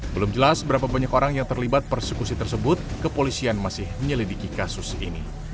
belum jelas berapa banyak orang yang terlibat persekusi tersebut kepolisian masih menyelidiki kasus ini